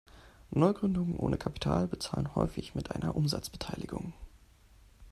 Neugründungen ohne Kapital bezahlen häufig mit einer Umsatzbeteiligung.